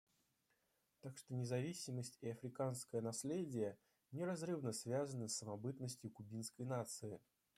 Так что независимость и африканское наследие неразрывно связаны с самобытностью кубинской нации.